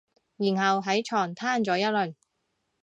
然後喺床攤咗一輪